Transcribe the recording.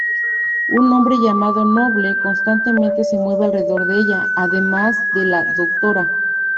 Un hombre llamado 'Noble' constantemente se mueve alrededor de ella, además de la 'Dra.